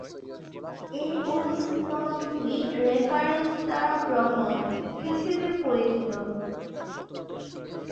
এই অনুশীলনটি 'রেফারেন্স দ্বারা গ্রহণ' হিসাবে পরিচিত।